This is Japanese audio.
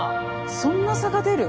そんな差が出る！？